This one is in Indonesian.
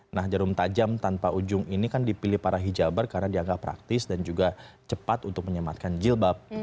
nah jarum tajam tanpa ujung ini kan dipilih para hijabar karena dianggap praktis dan juga cepat untuk menyematkan jilbab